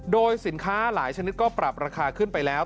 โดยสินค้าหลายชนิดก็ปรับราคาขึ้นไปแล้ว